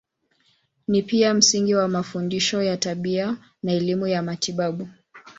Ni pia msingi wa mafundisho ya tiba na elimu ya matibabu.